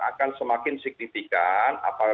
akan semakin signifikan